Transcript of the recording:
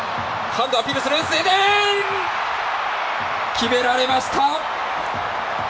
決められました！